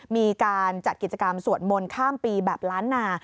มีการจัดกิจกรรมสวดมนต์ข้ามปีแบบล้านนา